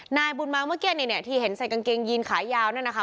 นายบุญมาเมื่อกี้เนี่ยที่เห็นใส่กางเกงยีนขายาวนั่นนะคะ